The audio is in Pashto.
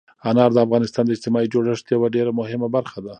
انار د افغانستان د اجتماعي جوړښت یوه ډېره مهمه برخه ده.